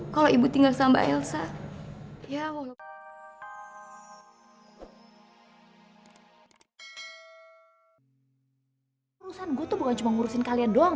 kalau ibu tinggal sama elsa